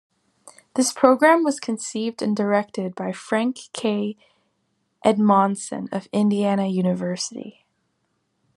This program was conceived and directed by Frank K. Edmondson of Indiana University.